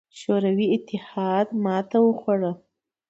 شوروي اتحاد ماتې وخوړه.